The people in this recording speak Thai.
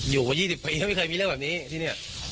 อยู่กว่า๒๐ปีไม่เคยมีเรื่องแบบนี้ที่เนี่ย